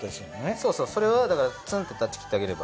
そうそうそれはだからツンと断ち切ってあげれば。